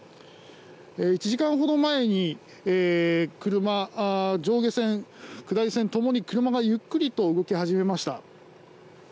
１時間ほど前に車、上下線、下り線ともに車がゆっくりと動き始めました。